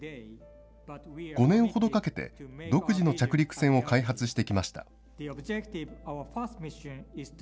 ５年ほどかけて、独自の着陸船を開発してきました。